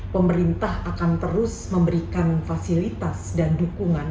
pemerintah akan terus memberikan fasilitas dan dukungan